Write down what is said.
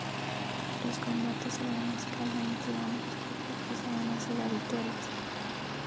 Los combates a gran escala entre ambos grupos pasaron a ser habituales.